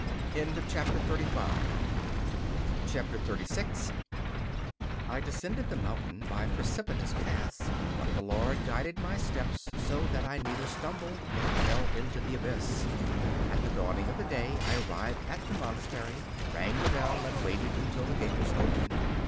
36 I descended the mountain by precipitous paths, but the Lord guided my steps so that I neither stumbled nor fell into the abyss. At the dawning of the day I arrived at the monastery, rang the bell and waited until the gate was opened.